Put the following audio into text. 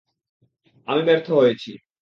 আমি ব্যর্থ হয়েছি।